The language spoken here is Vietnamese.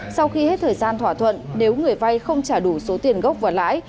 sau khi hết thời gian thỏa thuận nếu người vay không trả đủ số tiền gốc và lãi